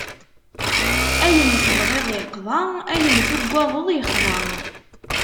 Ayen tebɣiḍ iqḍa, ayen tugadeḍ ixḍa!